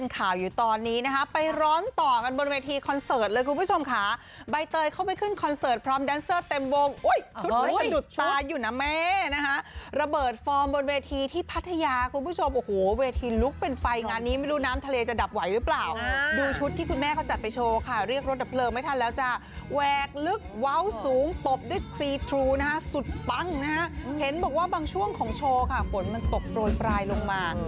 ของโชว์ค่ะฝนมันตกโปรดปลายลงมา